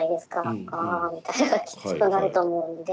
「ああ」みたいなきっとなると思うので。